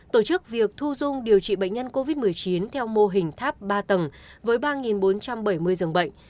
tổ chức việc thu dung điều trị bệnh nhân covid một mươi chín theo mô hình tháp ba tầng với ba bốn trăm bảy mươi giường bệnh